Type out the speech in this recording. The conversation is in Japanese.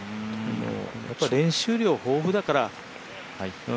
練習量、豊富だから。